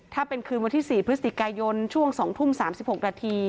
ถ้าเป็นคืนวันที่๔พฤศจิกายนช่วง๒ทุ่ม๓๖นาที